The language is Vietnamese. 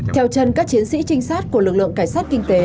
theo chân các chiến sĩ trinh sát của lực lượng cảnh sát kinh tế